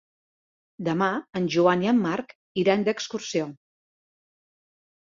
Demà en Joan i en Marc iran d'excursió.